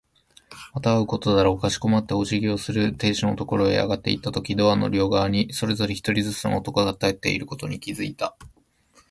また会うことだろう。かしこまってお辞儀をする亭主のところへ上がっていったとき、ドアの両側にそれぞれ一人ずつの男が立っているのに気づいた。